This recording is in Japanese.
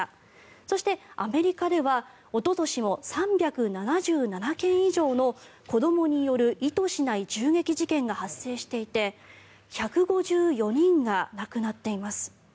そして、アメリカではおととしも３７７件以上の子どもによる意図しない銃撃事件が発生していて１５４人が亡くなっています。